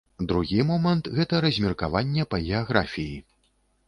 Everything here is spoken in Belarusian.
Другі момант, гэта размеркаванне па геаграфіі.